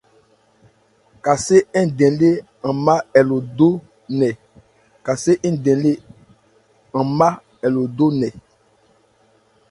Kasé ń dɛn lê an má ɛ lo dó nkɛ.